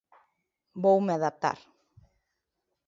Voume adaptar.